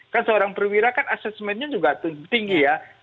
kan seorang perwira kan asesmennya juga tinggi ya